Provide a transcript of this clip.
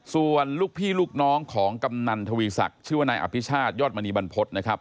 ส่วนลูกพี่ลูกน้องของกำนันทวีศักดิ์ชื่อว่านายอภิชาติยอดมณีบรรพฤษนะครับ